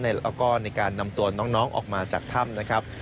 แล้วก็ในการนำตัวน้องออกมาจากถ้ำนะครับ